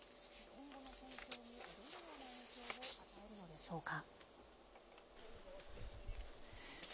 今後の戦況にどのような影響を与えるのでしょうか。